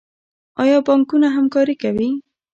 آیا بانکونه همکاري کوي؟